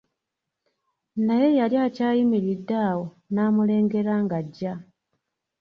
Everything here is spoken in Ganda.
Naye yali akyayimiridde awo, n'amulengera ng'ajja.